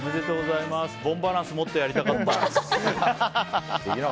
ボンバランスもっとやりたかった！